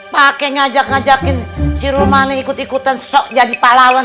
pakai ngajakin ngajakin si romani ikut ikutan sok jadi pak lawan